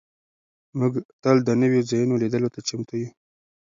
موږ تل د نویو ځایونو لیدلو ته چمتو یو.